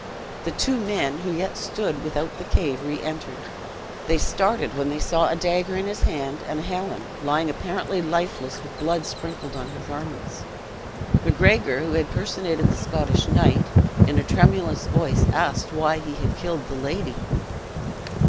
The two men, who yet stood without the cave, re entered. They started when they saw a dagger in his hand, and Helen, lying apparently lifeless, with blood sprinkled on her garments. Macgregor, who had personated the Scottish knight, in a tremulous voice asked why he had killed the lady?